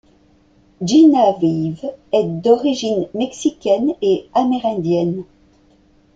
Jenaveve est d'origine mexicaine et amérindienne.